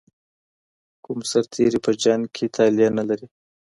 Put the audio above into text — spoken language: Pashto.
کوم سرتیري په جنګ کي طالع نه لري؟